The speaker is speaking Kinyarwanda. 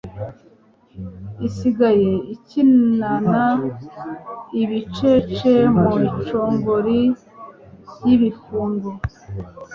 Isigaye ikinana ibicece mu icongori ryibifungo